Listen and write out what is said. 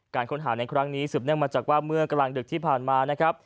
การค้นหาในครั้งนี้สืบเนื่องมาจากว่าเมื่อกำลังดึกที่ผ่านมา